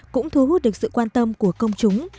đã ưu hút được sự quan tâm của công chúng